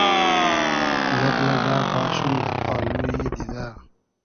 یئگ لئزۂ باشوم دۂ پالویی دیدۂ